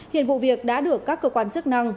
hiện vụ việc đã được các cơ quan chức năng